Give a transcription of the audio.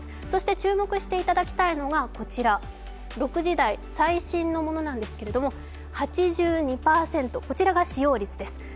そして注目していただきたいのがこちら、６時台、最新のものですが８２％、こちらが使用率です。